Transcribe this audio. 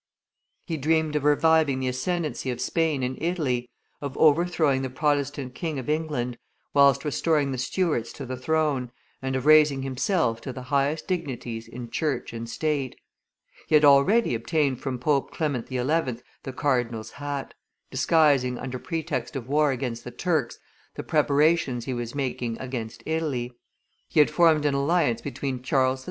He dreamed of reviving the ascendency of Spain in Italy, of overthrowing the Protestant king of England, whilst restoring the Stuarts to the throne, and of raising himself to the highest dignities in Church and State. He had already obtained from Pope Clement XI. the cardinal's hat, disguising under pretext of war against the Turks the preparations he was making against Italy; he had formed an alliance between Charles XII.